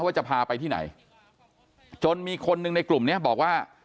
ว่าจะพาไปที่ไหนจนมีคนหนึ่งในกลุ่มเนี้ยบอกว่า